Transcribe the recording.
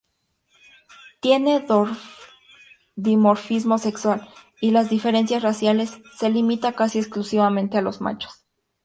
Tiene dimorfismo sexual, y las diferencias raciales se limita casi exclusivamente a los machos.